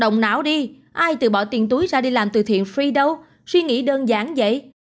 động não đi ai từ bỏ tiền túi ra đi làm từ thiện free đâu suy nghĩ đơn giản vậy